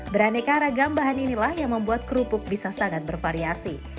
beraneka ragam bahan inilah yang membuat kerupuk bisa sangat bervariasi